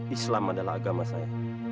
islam adalah agama saya